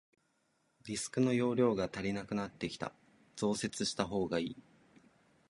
ディスクの容量が足りなくなってきた、増設したほうがいい。